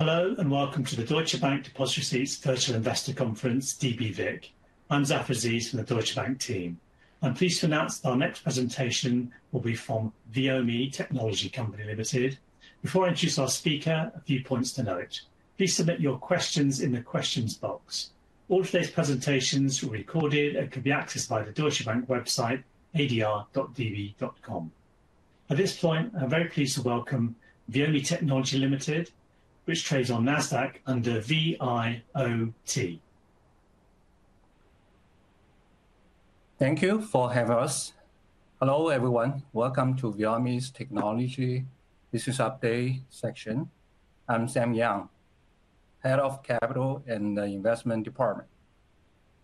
Hello, and welcome to the Deutsche Bank Deposit Receipts Virtual Investor Conference, DBVic. I'm Zafar Aziz from the Deutsche Bank team. I'm pleased to announce that our next presentation will be from Viomi Technology Co., Ltd. Before I introduce our speaker, a few points to note. Please submit your questions in the questions box. All of today's presentations will be recorded and can be accessed by the Deutsche Bank website, adr.db.com. At this point, I'm very pleased to welcome Viomi Technology Co., Ltd., which trades on NASDAQ under VIOT. Thank you for having us. Hello, everyone. Welcome to Viomi Technology Business Update section. I'm Sam Yang, Head of Capital and Investment Department.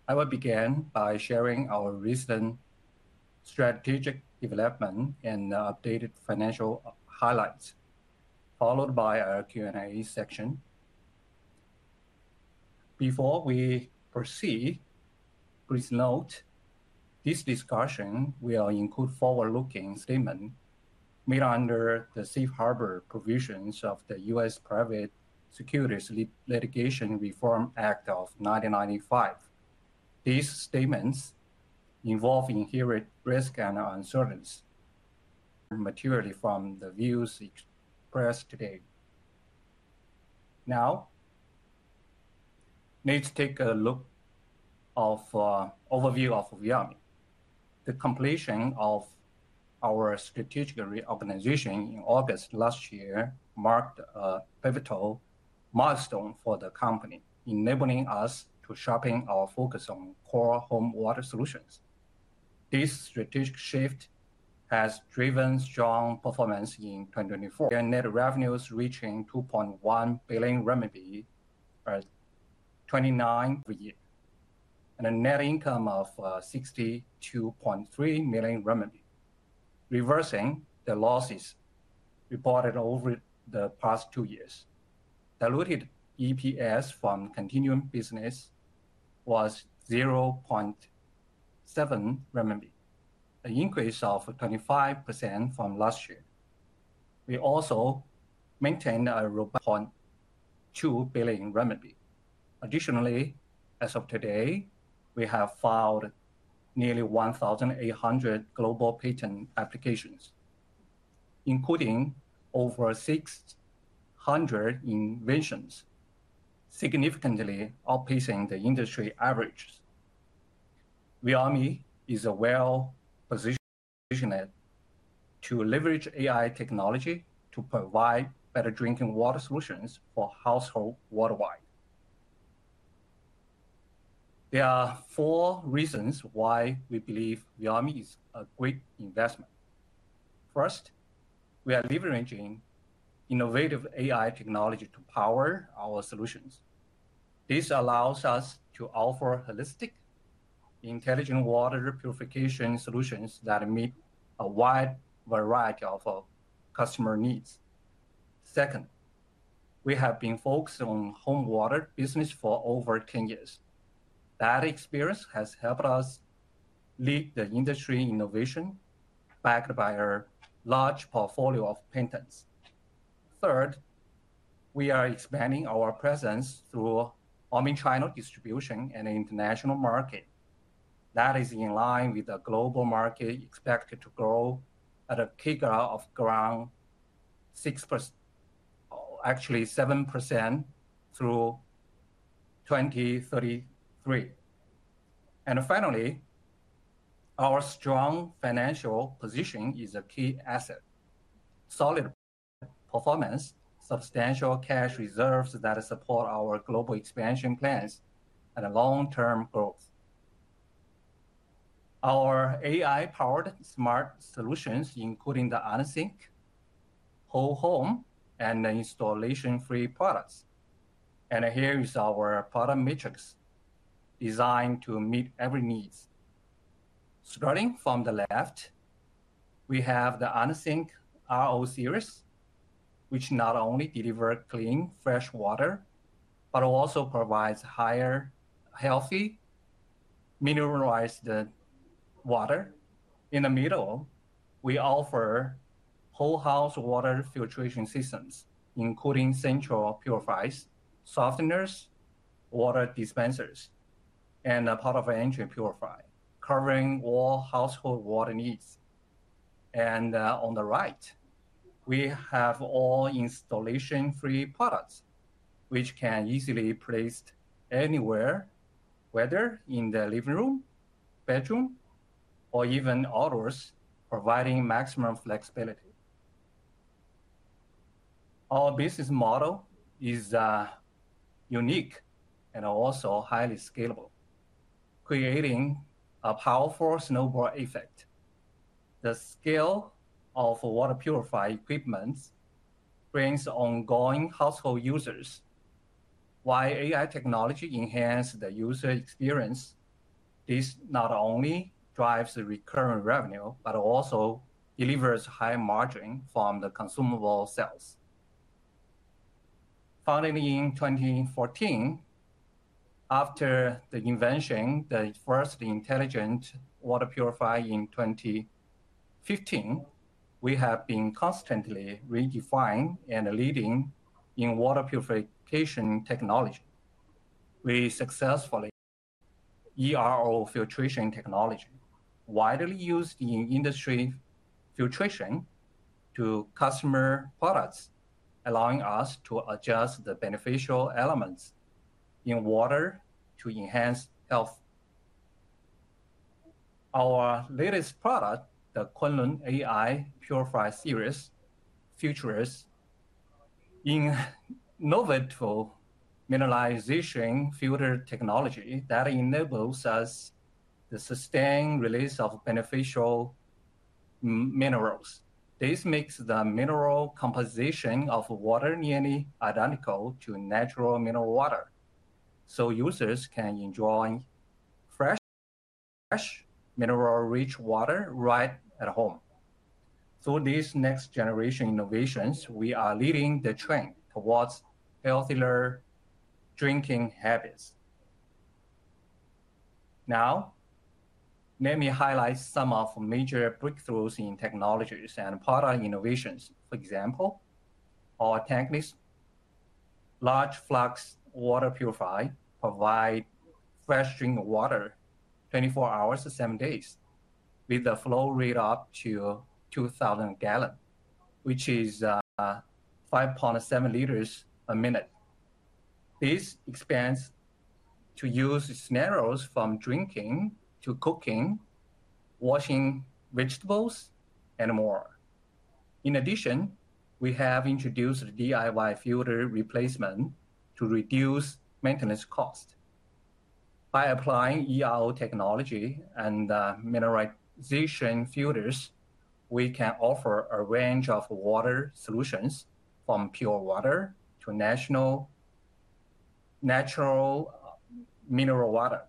I will begin by sharing our recent strategic development and updated financial highlights, followed by our Q&A section. Before we proceed, please note this discussion will include forward-looking statements made under the safe harbor provisions of the U.S. Private Securities Litigation Reform Act of 1995. These statements involve inherent risk and uncertainty, materially from the views expressed today. Now, let's take a look at an overview of Viomi. The completion of our strategic reorganization in August last year marked a pivotal milestone for the company, enabling us to sharpen our focus on core home water solutions. This strategic shift has driven strong performance in 2024, with net revenues reaching 2.1 billion renminbi per year, and a net income of 62.3 million renminbi, reversing the losses reported over the past 2 years. Diluted EPS from continuing business was 0.7 RMB, an increase of 25% from last year. We also maintained a 1.2 billion. Additionally, as of today, we have filed nearly 1,800 global patent applications, including over 600 inventions, significantly outpacing the industry averages. Viomi is well-positioned to leverage AI technology to provide better drinking water solutions for households worldwide. There are four reasons why we believe Viomi is a great investment. First, we are leveraging innovative AI technology to power our solutions. This allows us to offer holistic, intelligent water purification solutions that meet a wide variety of customer needs. Second, we have been focused on home water business for over 10 years. That experience has helped us lead the industry innovation, backed by our large portfolio of patents. Third, we are expanding our presence through omnichannel distribution and international markets. That is in line with the global market expected to grow at a CAGR of around 6%, actually 7% through 2033. Finally, our strong financial position is a key asset: solid performance, substantial cash reserves that support our global expansion plans, and long-term growth. Our AI-powered smart solutions, including the OnSync, Whole Home, and the installation-free products. Here is our product matrix, designed to meet every need. Starting from the left, we have the OnSync RO series, which not only delivers clean, fresh water, but also provides higher, healthy, mineralized water. In the middle, we offer whole house water filtration systems, including central purifiers, softeners, water dispensers, and a part of an entry purifier, covering all household water needs. On the right, we have all installation-free products, which can easily be placed anywhere, whether in the living room, bedroom, or even outdoors, providing maximum flexibility. Our business model is unique and also highly scalable, creating a powerful snowball effect. The scale of water purifying equipment brings ongoing household users. While AI technology enhances the user experience, this not only drives recurrent revenue, but also delivers high margins from the consumable sales. Founded in 2014, after the invention of the first intelligent water purifier in 2015, we have been constantly redefined and leading in water purification technology. We successfully implemented ERO filtration technology, widely used in industry filtration to customer products, allowing us to adjust the beneficial elements in water to enhance health. Our latest product, the Kunlun AI Purifier series, features innovative mineralization filter technology that enables us to sustain the release of beneficial minerals. This makes the mineral composition of water nearly identical to natural mineral water, so users can enjoy fresh, mineral-rich water right at home. Through these next-generation innovations, we are leading the train towards healthier drinking habits. Now, let me highlight some of the major breakthroughs in technologies and product innovations. For example, our techniques, large flux water purifiers, provide fresh drinking water 24 hours to 7 days, with a flow rate up to 2,000 gallons, which is 5.7 liters per minute. This expands the use scenarios from drinking to cooking, washing vegetables, and more. In addition, we have introduced DIY filter replacement to reduce maintenance costs. By applying ERO technology and mineralization filters, we can offer a range of water solutions, from pure water to natural mineral water,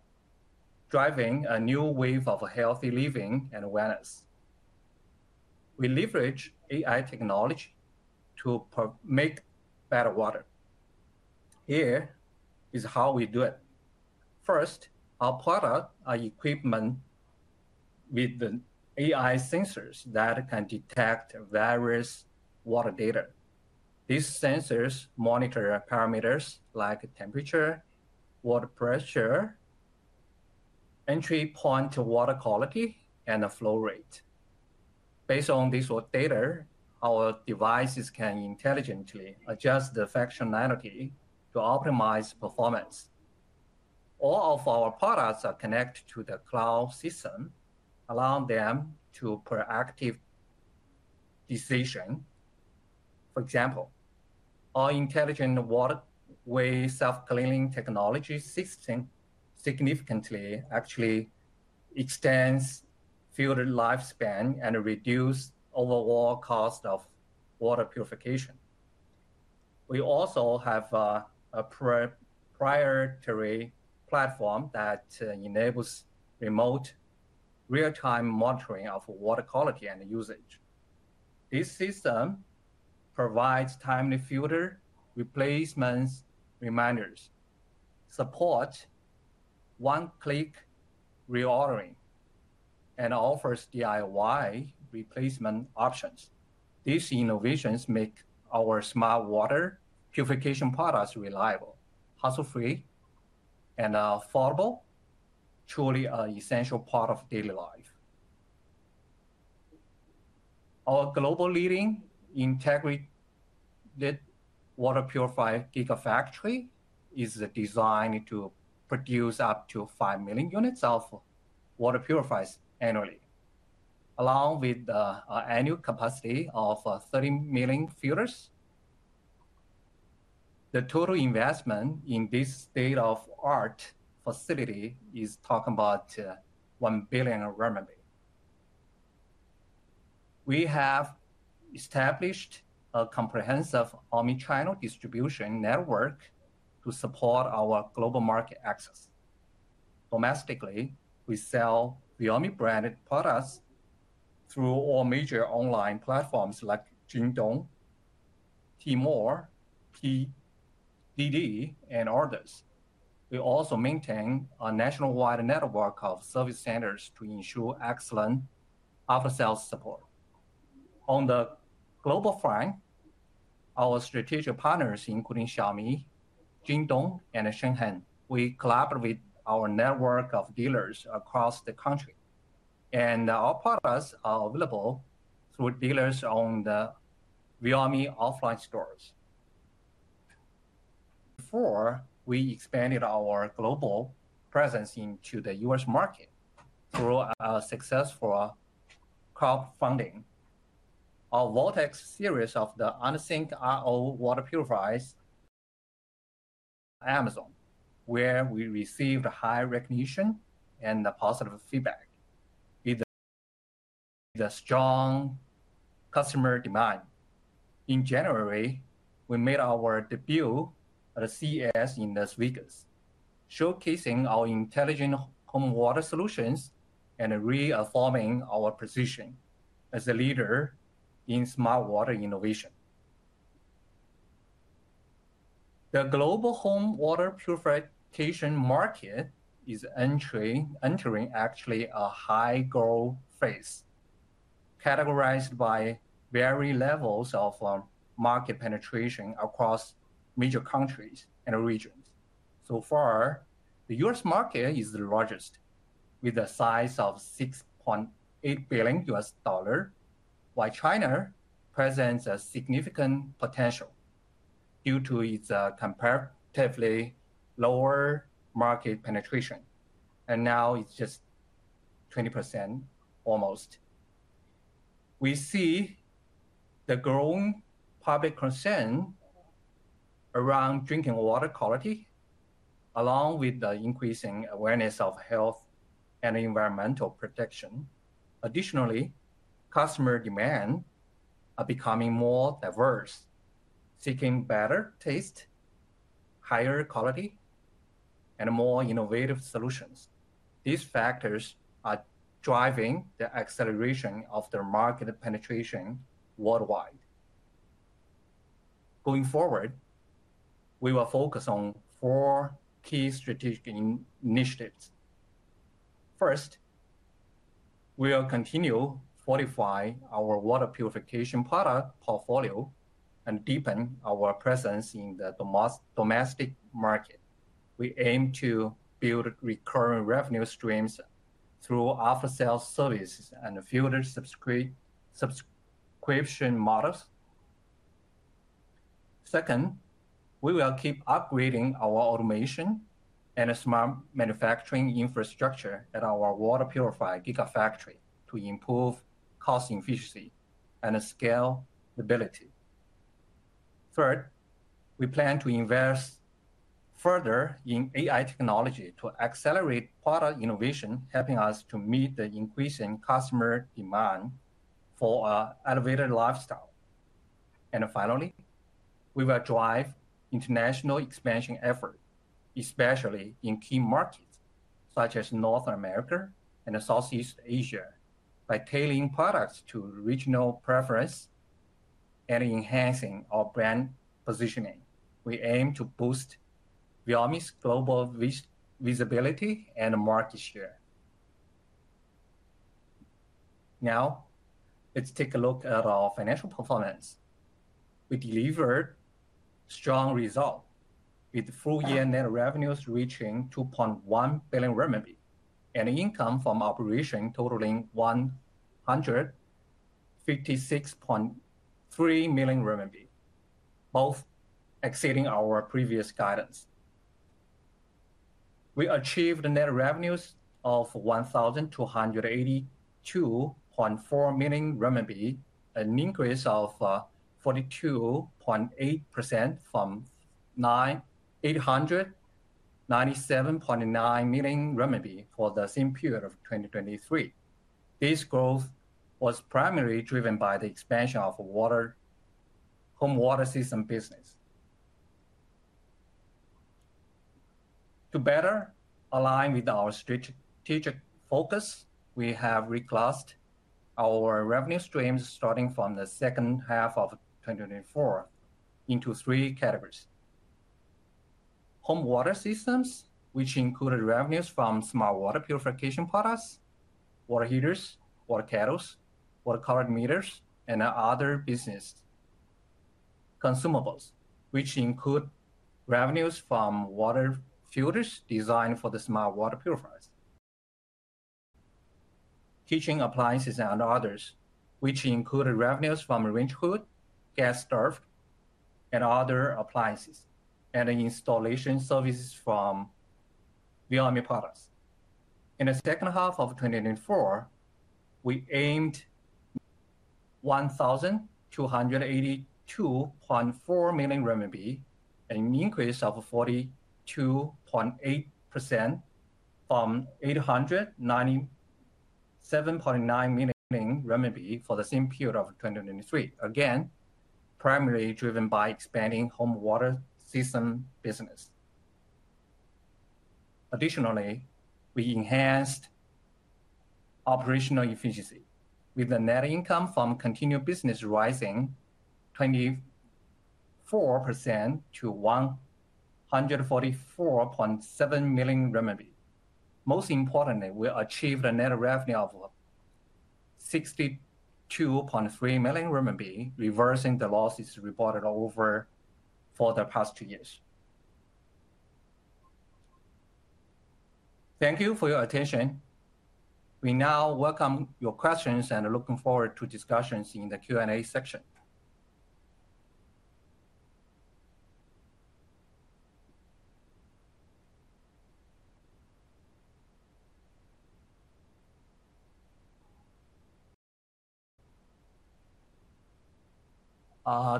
driving a new wave of healthy living and wellness. We leverage AI technology to make better water. Here is how we do it. First, our products are equipped with AI sensors that can detect various water data. These sensors monitor parameters like temperature, water pressure, entry point water quality, and flow rate. Based on this data, our devices can intelligently adjust the functionality to optimize performance. All of our products are connected to the cloud system, allowing them to make proactive decisions. For example, our intelligent waterway self-cleaning technology system significantly extends filter lifespan and reduces overall cost of water purification. We also have a proprietary platform that enables remote, real-time monitoring of water quality and usage. This system provides timely filter replacement reminders, supports one-click reordering, and offers DIY replacement options. These innovations make our smart water purification products reliable, hassle-free, and affordable, truly an essential part of daily life. Our global leading integrated water purifier gigafactory is designed to produce up to 5 million units of water purifiers annually, along with an annual capacity of 30 million filters. The total investment in this state-of-the-art facility is talking about 1 billion RMB. We have established a comprehensive omnichannel distribution network to support our global market access. Domestically, we sell Viomi-branded products through all major online platforms like Jingdong, Tmall, PDD, and others. We also maintain a nationwide network of service centers to ensure excellent after-sales support. On the global front, our strategic partners, including Xiaomi, Jingdong, and Shanghai, we collaborate with our network of dealers across the country. Our products are available through dealers on the Viomi offline stores. Before we expanded our global presence into the U.S. market through a successful crowdfunding, our Vortex series of the OnSync RO water purifiers at Amazon, where we received high recognition and positive feedback, with a strong customer demand. In January, we made our debut at CES in Las Vegas, showcasing our intelligent home water solutions and reaffirming our position as a leader in smart water innovation. The global home water purification market is entering a high-growth phase, categorized by various levels of market penetration across major countries and regions. So far, the U.S. market is the largest, with a size of $6.8 billion, while China presents a significant potential due to its comparatively lower market penetration, and now it's just 20%, almost. We see the growing public concern around drinking water quality, along with the increasing awareness of health and environmental protection. Additionally, customer demands are becoming more diverse, seeking better taste, higher quality, and more innovative solutions. These factors are driving the acceleration of their market penetration worldwide. Going forward, we will focus on four key strategic initiatives. First, we will continue to fortify our water purification product portfolio and deepen our presence in the domestic market. We aim to build recurrent revenue streams through after-sales services and filter subscription models. Second, we will keep upgrading our automation and smart manufacturing infrastructure at our water purifier gigafactory to improve cost efficiency and scalability. Third, we plan to invest further in AI technology to accelerate product innovation, helping us to meet the increasing customer demand for an elevated lifestyle. Finally, we will drive international expansion efforts, especially in key markets such as North America and Southeast Asia, by tailoring products to regional preferences and enhancing our brand positioning. We aim to boost Viomi's global visibility and market share. Now, let's take a look at our financial performance. We delivered strong results, with full-year net revenues reaching 2.1 billion renminbi and income from operations totaling 156.3 million renminbi, both exceeding our previous guidance. We achieved net revenues of 1,282.4 million RMB, an increase of 42.8% from 897.9 million renminbi for the same period of 2023. This growth was primarily driven by the expansion of our home water system business. To better align with our strategic focus, we have reclassified our revenue streams starting from the second half of 2024 into three categories: home water systems, which included revenues from smart water purification products, water heaters, water kettles, water colorimeters, and other businesses; consumables, which included revenues from water filters designed for the smart water purifiers; kitchen appliances and others, which included revenues from range hoods, gas turbs, and other appliances; and installation services from Viomi products. In the second half of 2024, we aimed 1,282.4 million RMB and an increase of 42.8% from 897.9 million renminbi for the same period of 2023, again primarily driven by expanding home water system business. Additionally, we enhanced operational efficiency, with the net income from continued business rising 24% to 144.7 million RMB. Most importantly, we achieved a net revenue of 62.3 million RMB, reversing the losses reported over the past two years. Thank you for your attention. We now welcome your questions and are looking forward to discussions in the Q&A section.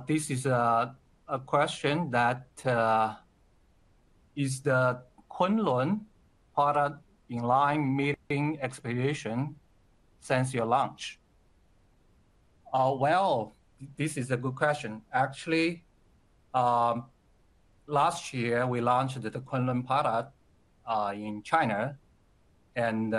This is a question that, "Is the Kunlun product in line meeting expectations since your launch?" This is a good question. Actually, last year, we launched the Kunlun product in China, and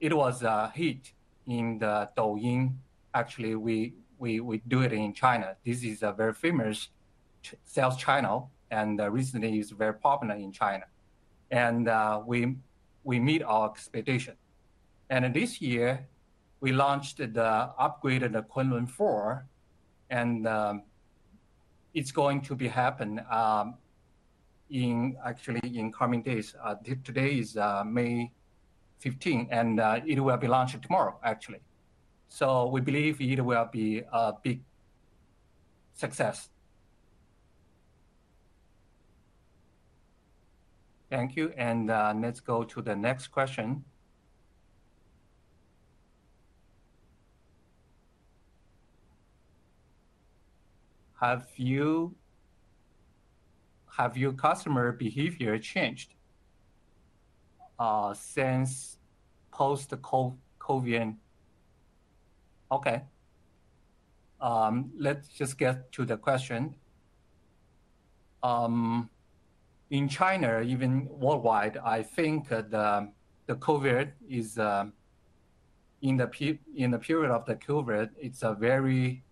it was a hit in the Douyin. Actually, we do it in China. This is a very famous sales channel, and recently, it's very popular in China. We meet our expectations. This year, we launched the upgraded Kunlun 4, and it's going to happen actually in coming days. Today is May 15, and it will be launched tomorrow, actually. We believe it will be a big success. Thank you. Let's go to the next question. Have your customer behavior changed since post-COVID? Okay. Let's just get to the question. In China, even worldwide, I think in the period of the COVID,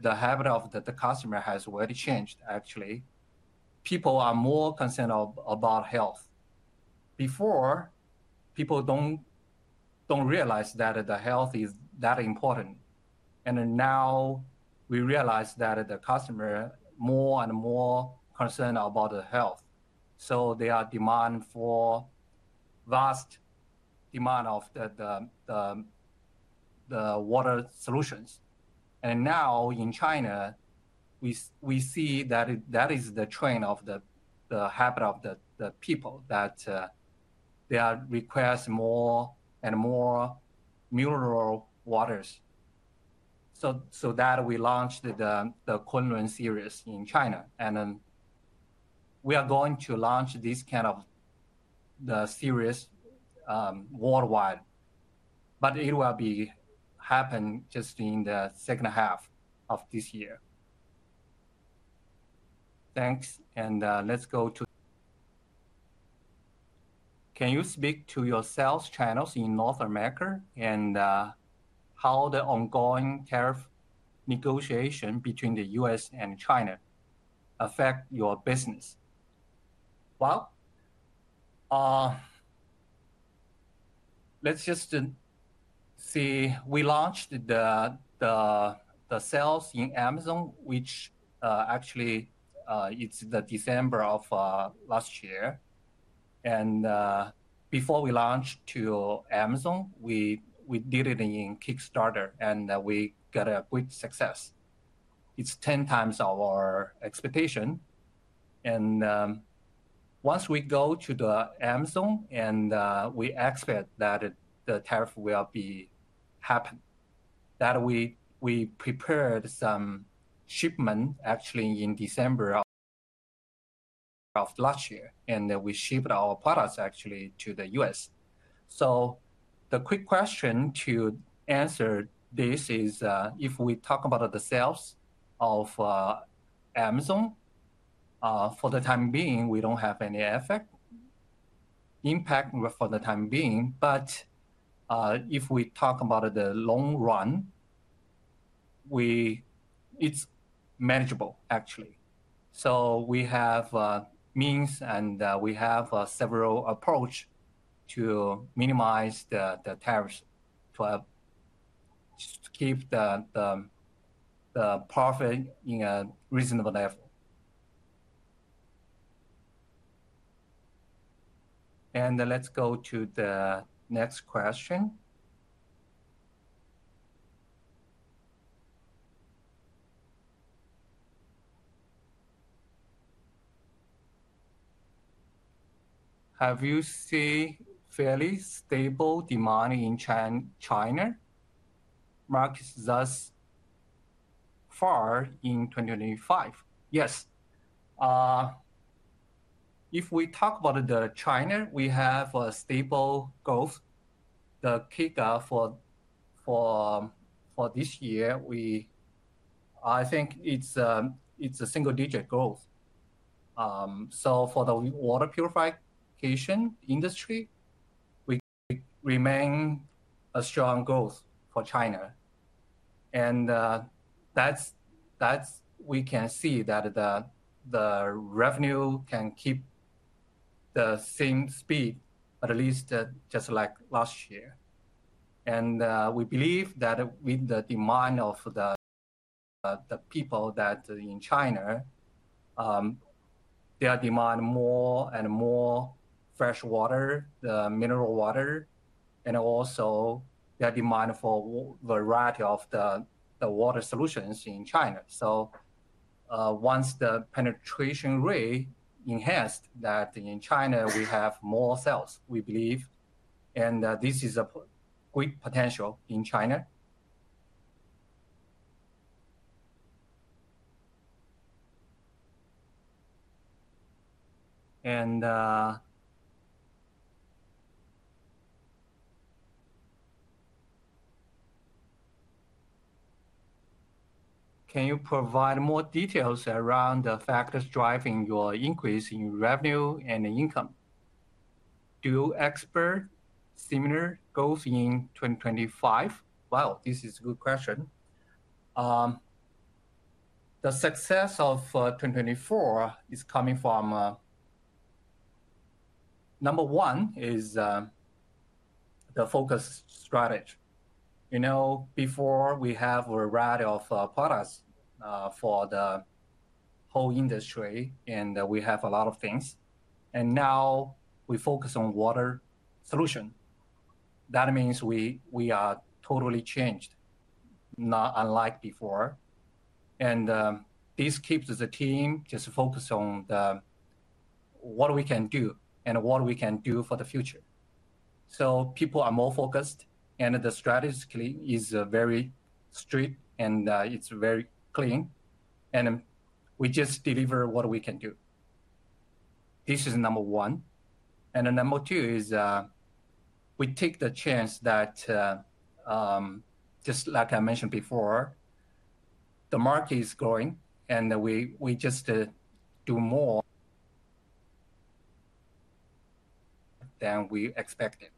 the habit of the customer has already changed, actually. People are more concerned about health. Before, people don't realize that the health is that important. Now we realize that the customer is more and more concerned about the health. There is a demand for vast demand of the water solutions. Now in China, we see that that is the trend of the habit of the people, that they are requesting more and more mineral waters. So that we launched the Kunlun series in China. We are going to launch this kind of series worldwide. It will happen just in the second half of this year. Thanks. Let's go to, "Can you speak to your sales channels in North America and how the ongoing tariff negotiation between the U.S. and China affects your business?" We launched the sales in Amazon, which actually is the December of last year. Before we launched to Amazon, we did it in Kickstarter, and we got a great success. It's 10 times our expectation. Once we go to Amazon, we expect that the tariff will be happening. That we prepared some shipment actually in December of last year, and we shipped our products actually to the U.S. The quick question to answer this is, if we talk about the sales of Amazon, for the time being, we do not have any effect impact for the time being. If we talk about the long run, it is manageable, actually. We have means, and we have several approaches to minimize the tariffs to keep the profit in a reasonable level. Let's go to the next question. Have you seen fairly stable demand in China markets thus far in 2025? Yes. If we talk about China, we have a stable growth. The kick-off for this year, I think it is a single-digit growth. For the water purification industry, we remain a strong growth for China. We can see that the revenue can keep the same speed, at least just like last year. We believe that with the demand of the people in China, they are demanding more and more fresh water, the mineral water, and also their demand for a variety of the water solutions in China. Once the penetration rate enhanced, that in China, we have more sales, we believe. This is a great potential in China. Can you provide more details around the factors driving your increase in revenue and income? Do you expect similar growth in 2025? This is a good question. The success of 2024 is coming from, number one, is the focus strategy. Before, we had a variety of products for the whole industry, and we had a lot of things. Now we focus on water solutions. That means we are totally changed, not unlike before. This keeps the team just focused on what we can do and what we can do for the future. People are more focused, and the strategy is very strict, and it is very clean. We just deliver what we can do. This is number one. Number two is we take the chance that, just like I mentioned before, the market is growing, and we just do more than we expected.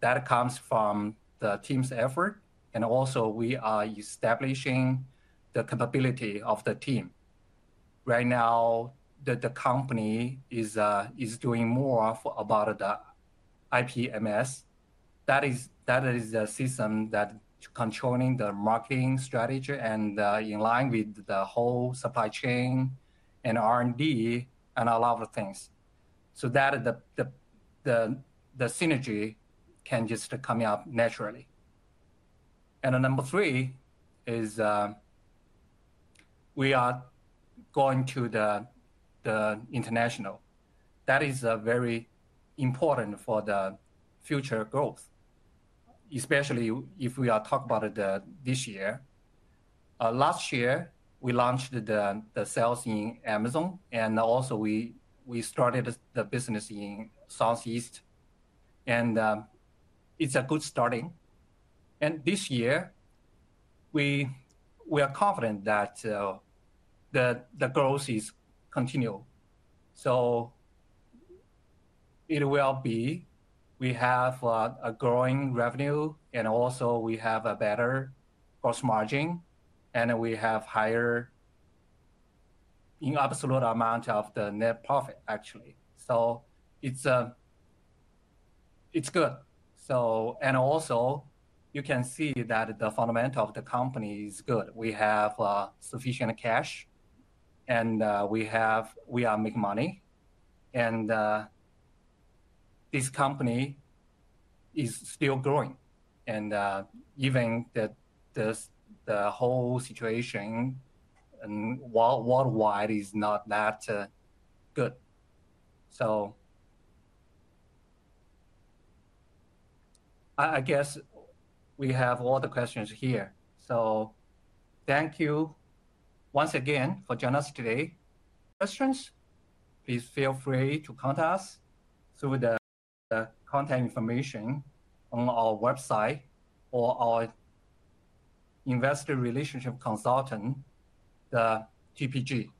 That comes from the team's effort. Also, we are establishing the capability of the team. Right now, the company is doing more about the IPMS. That is the system that is controlling the marketing strategy and in line with the whole supply chain and R&D and a lot of things, so that the synergy can just come out naturally. Number three is we are going to the international. That is very important for the future growth, especially if we are talking about this year. Last year, we launched the sales in Amazon, and also, we started the business in Southeast. It is a good starting. This year, we are confident that the growth is continual. We have a growing revenue, and also, we have a better gross margin, and we have higher in absolute amount of the net profit, actually. It is good. You can see that the fundamental of the company is good. We have sufficient cash, and we are making money. This company is still growing. Even the whole situation worldwide is not that good. I guess we have all the questions here. Thank you once again for joining us today. Questions, please feel free to contact us through the contact information on our website or our investor relationship consultant, TPG. Thank you.